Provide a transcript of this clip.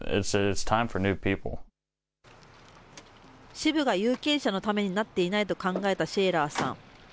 支部が有権者のためになっていないと考えたシェーラーさん。